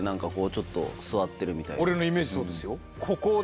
俺のイメージそうですよ。